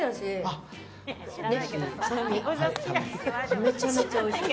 めちゃめちゃおいしい。